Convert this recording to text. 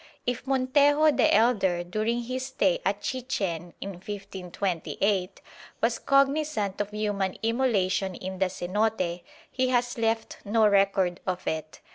If Montejo the elder, during his stay at Chichen in 1528, was cognisant of human immolation in the cenote, he has left no record of it.